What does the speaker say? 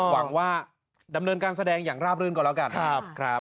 หวังว่าดำเนินการแสดงอย่างราบรื่นก่อนแล้วกัน